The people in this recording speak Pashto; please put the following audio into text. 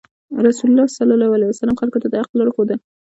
رسول الله خلکو ته د حق لار وښوده.